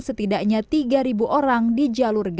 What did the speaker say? setidaknya tiga orang di jalur gaza